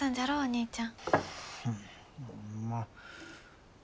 お兄ちゃん。